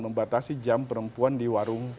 membatasi jam perempuan di warung